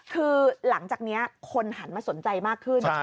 คือหลังจากนี้คนหันมาสนใจมากขึ้น